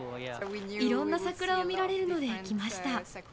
いろんな桜を見られるので来ました。